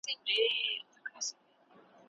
ښاري او صحرایي ژوند سره توپیر لري.